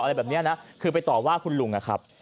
อะไรแบบนี้นะคือไปต่อว่าคุณลุงนะครับ